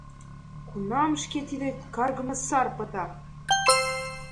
Кунам шке тиде каргыме сар пыта?